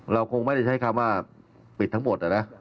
เราคงไม่ได้ใช้คำว่าปิดทั้งหมดนะ